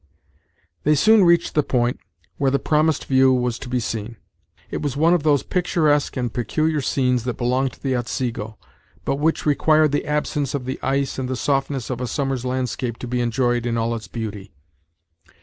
They soon reached the point where the promised view was to be seen. It was one of those picturesque and peculiar scenes that belong to the Otsego, but which required the absence of the ice and the softness of a summer's landscape to be enjoyed in all its beauty.